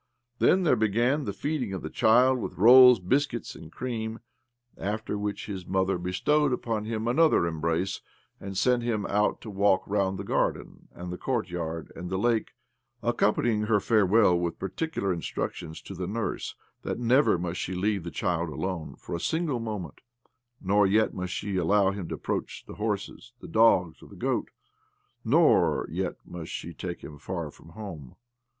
Then there began the feeding of the child with rolls, biscuits, and cream ; after which his mother bestowed upon him another embrace, and sen]^ him out to walk round the garden and the court yard and the lake— accompanying her fare well with particular instructions to the nurse that never must she leave the child alone for a single moment, nor yet must she allow him to approach the horses, the dogs, or the goat, nor yet must she take him far from home.